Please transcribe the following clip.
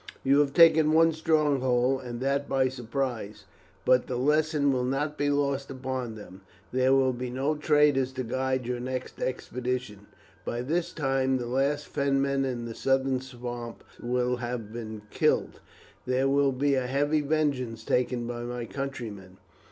"You have taken one stronghold, and that by surprise, but the lesson will not be lost upon them. There will be no traitors to guide your next expedition; by this time the last Fenman in the southern swamps will have been killed. There will be a heavy vengeance taken by my countrymen."